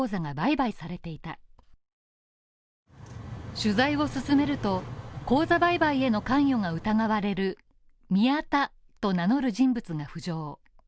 取材を進めると、口座売買への関与が疑われる宮田と名乗る人物が浮上。